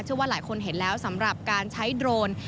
ว่าหลายคนเห็นแล้วสำหรับการใช้โดรน